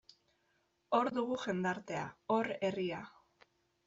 Hor dugu jendartea, hor herria.